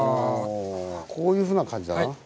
こういうふうな感じだな。